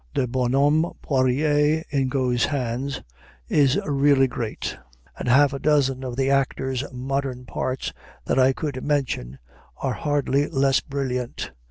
The bonhomme Poirier, in Got's hands, is really great; and half a dozen of the actor's modern parts that I could mention are hardly less brilliant.